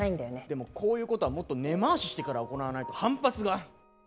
でもこういうことはもっと根回ししてから行わないと反発が。